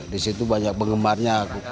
di situ banyak penggembarnya